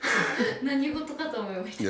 何事かと思いました。